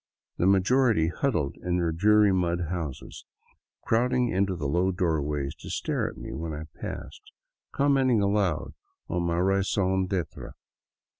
The majority huddled in their dreary mud houses, crowding into the low doorways to stare after me when I passed, com menting aloud on my raison d'etre.